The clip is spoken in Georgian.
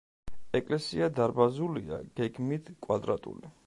ეკლესია დარბაზულია, გეგმით კვადრატული.